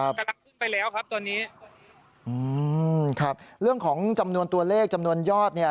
กำลังขึ้นไปแล้วครับตอนนี้อืมครับเรื่องของจำนวนตัวเลขจำนวนยอดเนี่ย